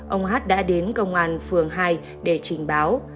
ông hát đã đến công an phường hai để trình báo